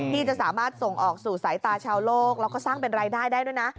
ที่จะสามารถส่งออกสู่สายตาชาวโลกแล้วก็สร้างเป็นรายได้ได้ด้วยนะ